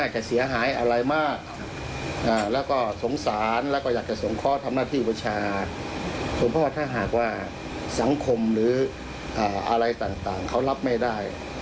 จะพร้อมคมหรืออะไรต่างเข้ารับไม่ได้